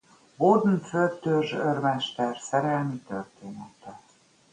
Warden főtörzsőrmester szerelmi története.